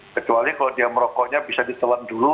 kecuali kalau dia merokoknya bisa ditelan dulu